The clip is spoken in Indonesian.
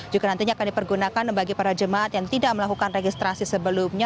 juga nantinya akan dipergunakan bagi para jemaat yang tidak melakukan registrasi sebelumnya